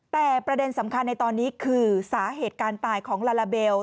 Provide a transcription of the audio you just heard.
แต่ประเด็นสำคัญในตอนนี้คือสาเหตุการตายของลาลาเบล